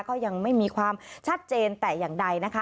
ก็ยังไม่มีความชัดเจนแต่อย่างใดนะคะ